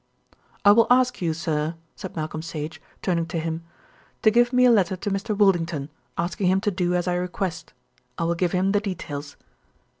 "I will ask you, sir," said Malcolm Sage, turning to him, "to give me a letter to Mr. Woldington, asking him to do as I request. I will give him the details."